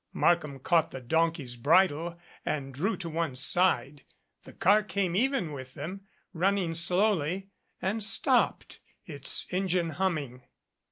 Markham caught the donkey's bridle and drew to one side, the car came even with them, running slowly, and stopped, its engine humming.